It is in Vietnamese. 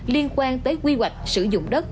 liên quan tới quy hoạch sử dụng đất